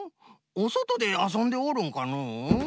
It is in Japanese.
おそとであそんでおるんかのう？